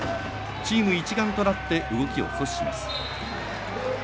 チーム一丸となって動きを阻止します。